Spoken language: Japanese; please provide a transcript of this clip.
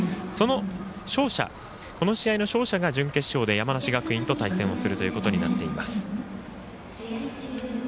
その試合の勝者が準決勝で山梨学院と対戦をするということになっています。